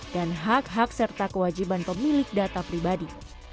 dan hak hak serta kewajiban pemilik data pribadi